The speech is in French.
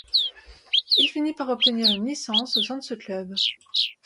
Il finit par obtenir une licence au sein de ce club.